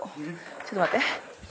ちょっと待って。